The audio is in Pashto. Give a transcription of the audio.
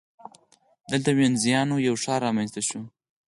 دلته د وینزیانو یو ښار رامنځته شو